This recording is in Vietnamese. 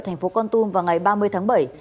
thành phố con tum vào ngày ba mươi tháng bảy